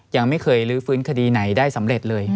ยังไม่เคยลื้อฟื้นคดีไหนได้สำเร็จเลย